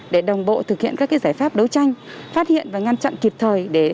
để đồng bộ thực hiện các giải pháp đấu tranh phát hiện và ngăn chặn kịp thời